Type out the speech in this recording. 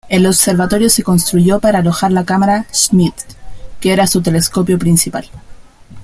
El observatorio se construyó para alojar la cámara Schmidt, que era su telescopio principal.